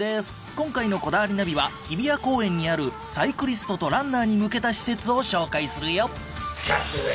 今回の『こだわりナビ』は日比谷公園にあるサイクリストとランナーに向けた施設を紹介するよ。